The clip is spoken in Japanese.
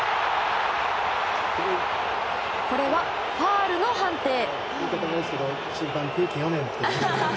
これはファウルの判定。